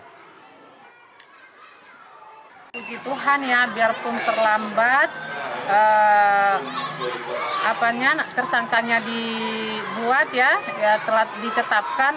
puji tuhan ya biarpun terlambat tersangkanya dibuat ya telah ditetapkan